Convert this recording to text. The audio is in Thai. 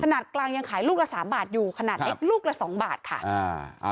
ขนาดกลางยังขายลูกละสามบาทอยู่ขนาดเล็กลูกละสองบาทค่ะอ่า